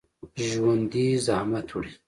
ژوندي زحمت وړي